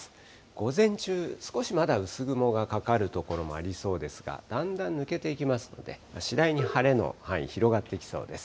午前中、少しまだ薄雲がかかる所もありそうですが、だんだん抜けていきますので、次第に晴れの範囲、広がってきそうです。